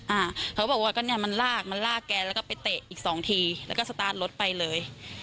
อ่าเขาบอกว่าก็เนี่ยมันลากมันลากแกแล้วก็ไปเตะอีกสองทีแล้วก็สตาร์ทรถไปเลย